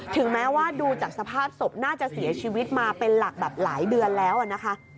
ถึงแม้ว่าดูจากสภาพศพน่าจะเสียชีวิตมาเป็นหลักแบบหลายเดือนแล้วนะคะ